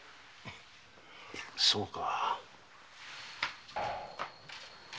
そうか。